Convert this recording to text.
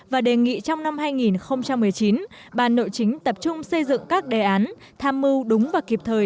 và đề nghị trong năm hai nghìn một mươi chín ban nội chính tập trung xây dựng các đề án tham mưu đúng và kịp thời